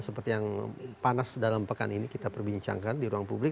seperti yang panas dalam pekan ini kita perbincangkan di ruang publik